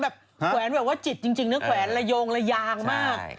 แขวนแบบว่าจิตจริงนะแขวนระโยงระยางมาก